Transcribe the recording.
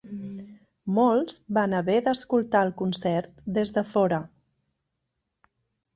Molts van haver d'escoltar el concert des de fora.